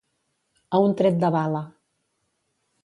A un tret de bala.